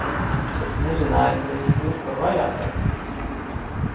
Es nezināju, ka viņš kļūs par vajātāju!